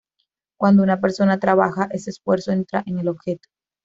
Cuando una persona trabaja, ese esfuerzo entra en el objeto.